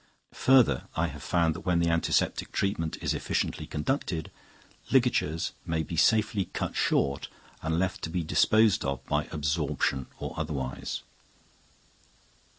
Further, I have found that when the antiseptic treatment is efficiently conducted, ligatures may be safely cut short and left to be disposed of by absorption or otherwise.